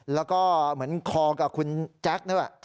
แล้วก็เหมือนคอกับคุณแจ๊คด้วย